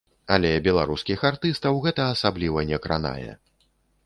Але беларускіх артыстаў гэта асабліва не кранае.